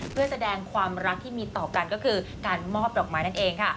เพื่อแสดงความรักที่มีต่อกันก็คือการมอบดอกไม้นั่นเองค่ะ